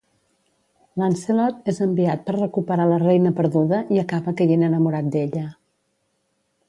Lancelot és enviat per recuperar la reina perduda i acaba caient enamorat d'ella.